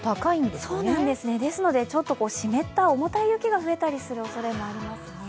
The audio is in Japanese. そうなんです、ですので湿った重たい雪が増えたりするおそれもありますね。